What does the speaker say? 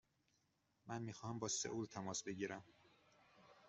من می خواهم با سئول تماس بگیرم.